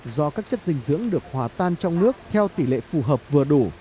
do các chất dinh dưỡng được hòa tan trong nước theo tỷ lệ phù hợp vừa đủ